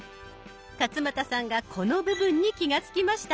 勝俣さんがこの部分に気が付きました。